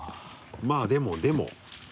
まぁでもでも。